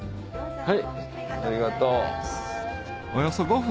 はい。